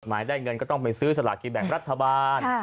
หมายได้เงินก็ต้องไปซื้อสลากินแบ่งรัฐบาล